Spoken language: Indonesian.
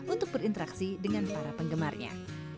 untuk berinteraksi dengan para penggemarnya